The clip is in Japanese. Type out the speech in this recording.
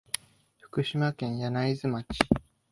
福島県柳津町